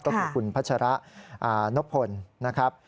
ก็คือคุณพัชระนพลนะครับ